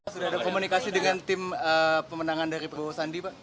sudah ada komunikasi dengan tim pemenangan dari prabowo sandi pak